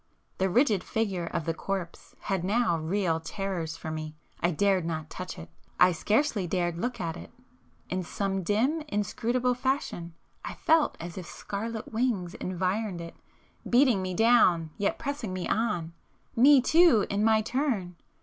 The rigid figure of the corpse had now real terrors for me,—I dared not touch it,—I scarcely dared look at it, ... in some dim inscrutable fashion I felt as if "scarlet wings" environed it, beating me down, yet pressing me on,—me too, in my turn!